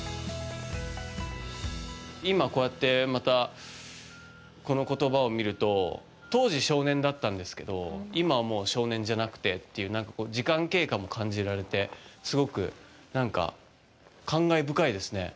今、こうやって、またこの言葉を見ると当時少年だったんですけど今はもう少年じゃなくてという時間経過も感じられてすごくなんか感慨深いですね。